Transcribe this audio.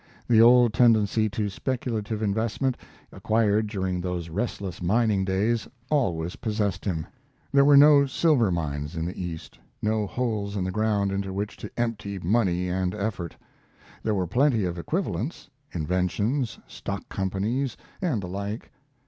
The old tendency to speculative investment, acquired during those restless mining days, always possessed him. There were no silver mines in the East, no holes in the ground into which to empty money and effort; but there were plenty of equivalents inventions, stock companies, and the like.